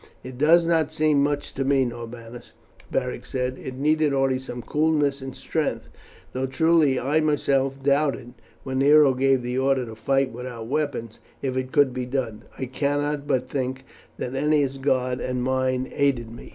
"It does not seem much to me, Norbanus," Beric said. "It needed only some coolness and strength, though truly I myself doubted, when Nero gave the order to fight without weapons, if it could be done. I cannot but think that Ennia's God and mine aided me."